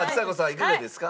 いかがですか？